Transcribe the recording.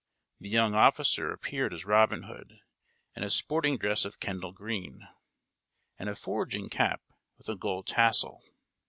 The young officer appeared as Robin Hood, in a sporting dress of Kendal green, and a foraging cap, with a gold tassel.